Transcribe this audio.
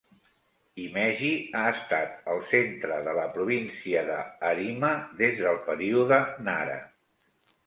Himeji ha estat el centre de la província de Harima des del període Nara.